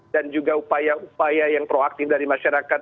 dan juga upaya upaya yang proaktif dari masyarakat